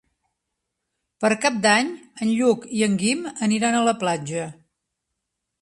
Per Cap d'Any en Lluc i en Guim aniran a la platja.